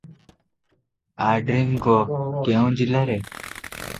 ଆଡ୍ରିଙ୍ଗ କେଉଁ ଜିଲ୍ଲାରେ?